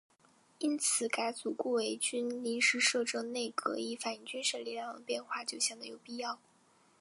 因此改组顾维钧临时摄政内阁以反映军事力量的变化就显得有必要。